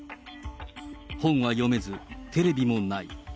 本は読めず、テレビもない。